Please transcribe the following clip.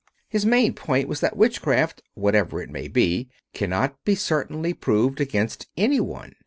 His main point was that witchcraft, whatever it may be, cannot be certainly proved against any one.